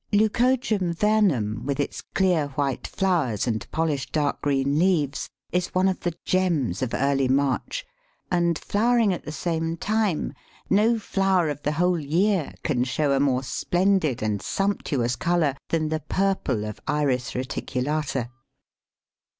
Leucojum vernum, with its clear white flowers and polished dark green leaves, is one of the gems of early March; and, flowering at the same time, no flower of the whole year can show a more splendid and sumptuous colour than the purple of Iris reticulata.